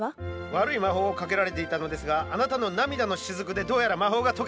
悪い魔法をかけられていたのですがあなたの涙のしずくでどうやら魔法が解けたようです。